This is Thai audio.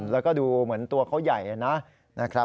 แล้วก็ดูเหมือนตัวเขาใหญ่นะครับ